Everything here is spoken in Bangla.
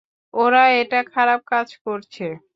ওরা একটা খারাপ কাজ করছে।